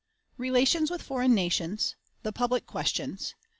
Relations with Foreign Nations. The Public Questions.